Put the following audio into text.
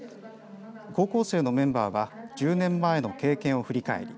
高校生のメンバーは１０年前の経験を振り返り